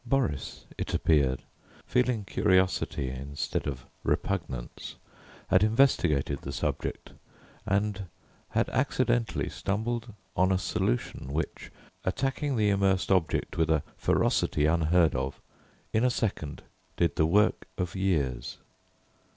Boris, it appeared, feeling curiosity instead of repugnance, had investigated the subject, and had accidentally stumbled on a solution which, attacking the immersed object with a ferocity unheard of, in a second did the work of years.